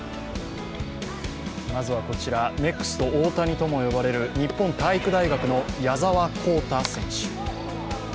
まずはこちら、ネクスト大谷とも呼ばれる日本体育大学の矢澤宏太選手。